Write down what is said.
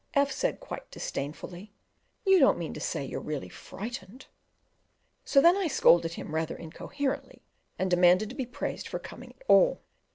F said, quite disdainfully, "You don't mean to say you're really frightened?" So then I scolded him, rather incoherently, and demanded to be praised for coming at all!